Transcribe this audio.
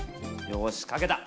よし書けた！